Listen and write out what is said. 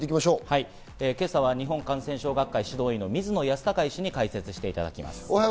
今朝は日本感染症学会・指導医の水野泰孝医師に解説していただきましょう。